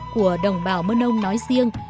của đồng bào mân âu nói riêng